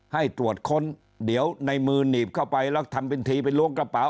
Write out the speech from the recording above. ให้ตรวจค้นเดี๋ยวในมือหนีบเข้าไปแล้วทำเป็นทีไปล้วงกระเป๋า